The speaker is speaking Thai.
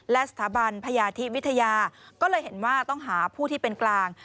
และสถาบันพยาธิวิทยาก็เลยเห็นว่าต้องหาผู้ที่เป็นกลาง